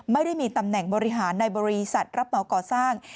ไม่ได้มีตำแหน่งบริหารในบริษัทรับเหมาก่อสร้าง